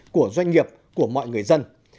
của doanh nghiệp của mọi người dân